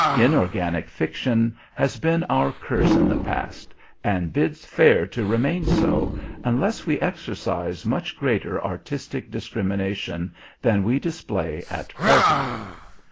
Inorganic fiction has been our curse in the past, and bids fair to remain so, unless we exercise much greater artistic discrimination than we display at present.